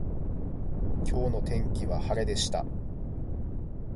今日の天気は晴れでした。